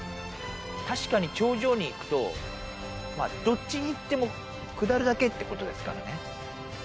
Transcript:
確かに頂上に行くと、まあ、どっちに行っても下るだけってことですからね。